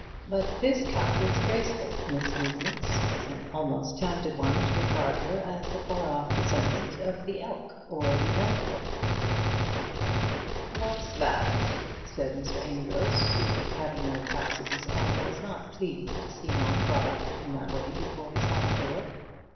But this cow was graceful in its movements, and almost tempted one to regard her as the far off descendant of the elk or the antelope. "What's that?" said Mr. Amedroz, who, having no cows of his own, was not pleased to see one brought up in that way before his hall door.